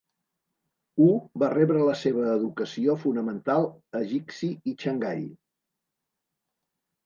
Hu va rebre la seva educació fonamental a Jixi i Xangai.